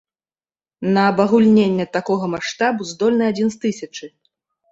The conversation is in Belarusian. На абагульненне такога маштабу здольны адзін з тысячы.